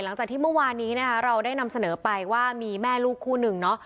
หลังจากที่เมื่อวานนี้นะคะเราได้นำเสนอไปว่ามีแม่ลูกคู่หนึ่งเนาะ